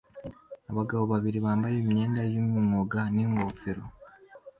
Abagabo babiri bambaye imyenda yumwuga ningofero